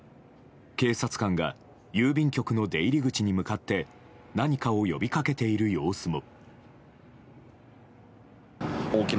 警察官が郵便局の出入り口に向かって何かを呼び掛けている様子も。